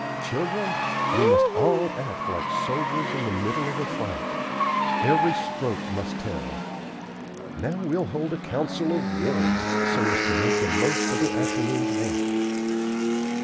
Children, we must all act like soldiers in the middle of a fight. Every stroke must tell. Now, we'll hold a council of war, so as to make the most of the afternoon's work.